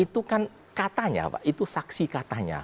itu kan katanya pak itu saksi katanya